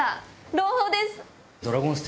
朗報です。